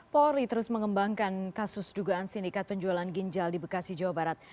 polri terus mengembangkan kasus dugaan sindikat penjualan ginjal di bekasi jawa barat